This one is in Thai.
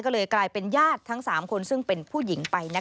ก็เลยกลายเป็นญาติทั้ง๓คนซึ่งเป็นผู้หญิงไป